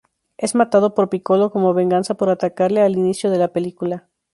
Es matado por Piccolo como venganza por atacarle al inicio de la película.